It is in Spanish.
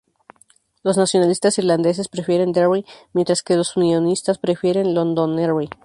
Los nacionalistas irlandeses prefieren "Derry", mientras que los unionistas prefieren "Londonderry".